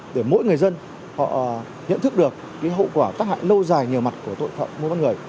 để mỗi người dân họ nhận thức được hậu quả tác hại lâu dài nhiều mặt của tội phạm mua bán người